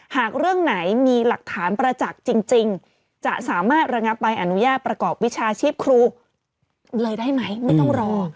หากเรื่องไหนมีหลักฐานประจักษ์จริงจะสามารถระงับใบอนุญาตประกอบวิชาชีพครูเลยได้ไหมไม่ต้องรอ